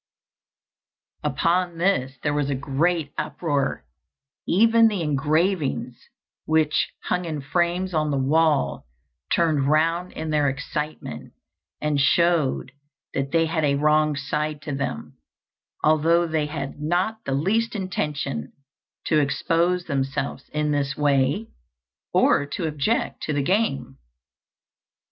Upon this there was a great uproar; even the engravings, which hung in frames on the wall, turned round in their excitement, and showed that they had a wrong side to them, although they had not the least intention to expose themselves in this way, or to object to the game.